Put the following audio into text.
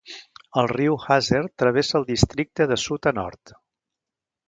El riu Haser travessa el districte de sud a nord.